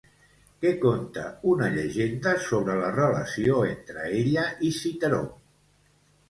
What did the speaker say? Què conta una llegenda sobre la relació entre ella i Citeró?